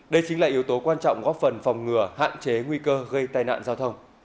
đây chính là yếu tố quan trọng góp phần phòng ngừa hạn chế nguy cơ gây tai nạn giao thông